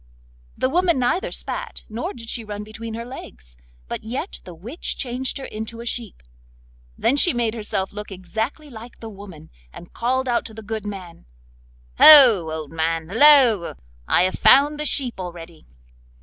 The woman neither spat, nor did she run between her legs, but yet the witch changed her into a sheep. Then she made herself look exactly like the woman, and called out to the good man: 'Ho, old man, halloa! I have found the sheep already!